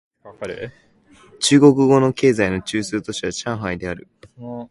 中国の経済の中枢都市は上海である